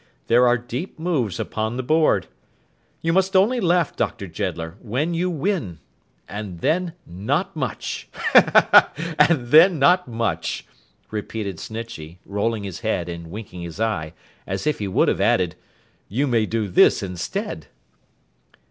There are deep moves upon the board. You must only laugh, Dr. Jeddler, when you win—and then not much. He, he, he! And then not much,' repeated Snitchey, rolling his head and winking his eye, as if he would have added, 'you may do this instead!